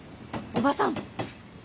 おばさん？